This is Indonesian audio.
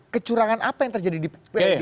kecurangan apa yang terjadi di pdip